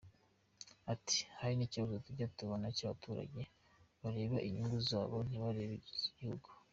Ati “Hari n’ikibazo tujya tubona cy’abaturage bareba inyungu zabo ntibarebe iz’igihugu.